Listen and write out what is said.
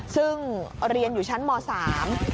ซึ่งเรียนอยู่ชั้นมสาม